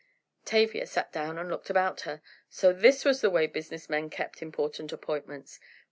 Tavia sat down and looked about her. So this was the way business men kept important appointments!